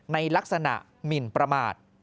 ในลักษณะหมินประมาท